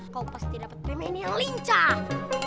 kau pasti dapet pemen yang lincah